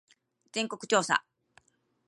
全国調査